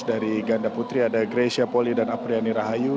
dari ganda putri ada grecia poli dan apriani rahayu